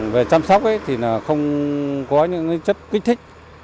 về chăm sóc thì không có những chất kích thích